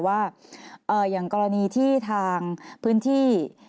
ว่าอย่างกรณีที่ทางพื้นที่